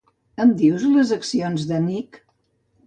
Em dius les accions de Nike?